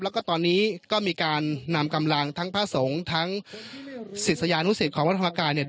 แล้วก็ตอนนี้ก็มีการนำกำลังทั้งพระสงฆ์ทั้งศิษยานุสิตของวัฒนธรรมกายเนี่ย